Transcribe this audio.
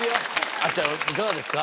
あっちゃんいかがですか？